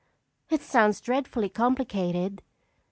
"It sounds dreadfully complicated."